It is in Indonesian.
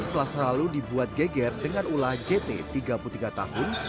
selasa lalu dibuat geger dengan ulah jt tiga puluh tiga tahun